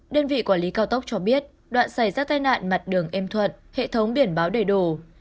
đơn vị quản lý cao tốc cho biết đoạn xảy ra tai nạn mặt đường êm thuận hệ thống biển báo đầy đủ